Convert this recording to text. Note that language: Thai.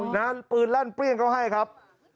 นั้นปืนลั่นเปรี้ยงเขาให้ครับ